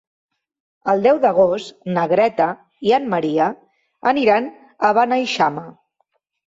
El deu d'agost na Greta i en Maria aniran a Beneixama.